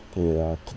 thì rất là